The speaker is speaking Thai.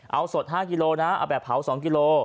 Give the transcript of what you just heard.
เอาสด๕กิโลนะเอาแบบเผา๒กิโล